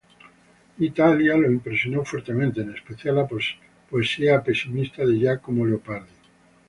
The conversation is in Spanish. Italia lo impresionó fuertemente, en especial la poesía pesimista de Giacomo Leopardi.